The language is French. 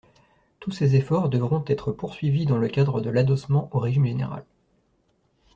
Tous ces efforts devront être poursuivis dans le cadre de l’adossement au régime général.